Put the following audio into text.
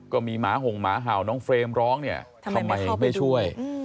หมาห่งหมาเห่าน้องเฟรมร้องเนี่ยทำไมไม่ช่วย